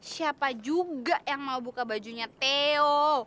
siapa juga yang mau buka bajunya theo